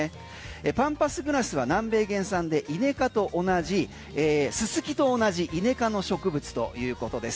パンパスグラスは南米原産でススキと同じイネ科の植物ということです。